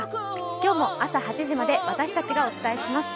今日も朝８時まで私たちがお伝えします。